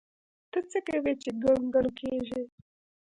ته څه کوې چې ګڼ ګڼ کېږې؟!